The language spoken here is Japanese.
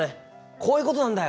こういうことなんだよ！